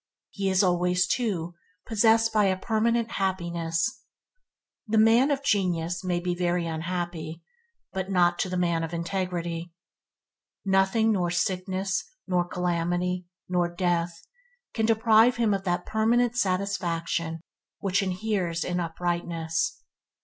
He is always, too, possessed a permanent happiness. The man of genius may be very unhappy, but not to the man of integrity. Nothing nor sickness, nor calamity, nor death – can deprive him of that permanent satisfaction which inheres in uprightness.